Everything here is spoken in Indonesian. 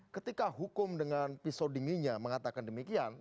ketika hukum dengan pisau dinginnya mengatakan demikian